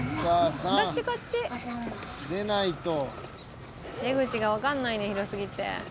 出口がわかんないのよ広すぎて。